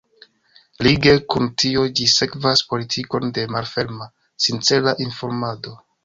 Lige kun tio ĝi sekvas politikon de malferma, „sincera“ informado.